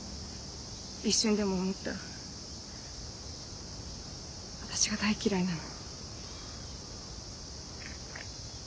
一瞬でも思った私が大嫌いなの。